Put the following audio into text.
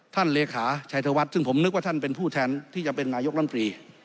เลขาชัยธวัฒน์ซึ่งผมนึกว่าท่านเป็นผู้แทนที่จะเป็นนายกรรมตรี